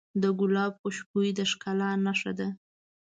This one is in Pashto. د ګلاب خوشبويي د ښکلا نښه ده.